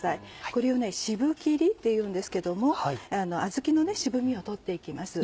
これを渋切りっていうんですけどもあずきの渋味を取って行きます。